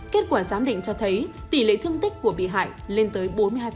kết quả giám định cho thấy tỷ lệ thương tích của bị hại lên tới bốn mươi hai